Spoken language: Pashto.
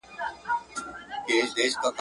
o د لاس د گوتو تر منځ لا فرق سته.